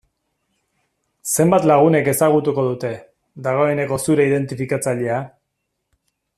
Zenbat lagunek ezagutuko dute, dagoeneko zure identifikatzailea?